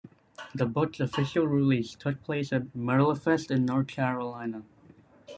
The book's official release took place at Merlefest in North Carolina.